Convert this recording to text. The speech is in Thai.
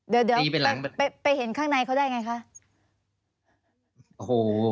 เดี๋ยวเดี๋ยว